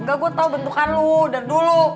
enggak gua tau bentukan lu dari dulu